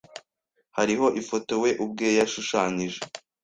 Hariho ifoto we ubwe yashushanyije.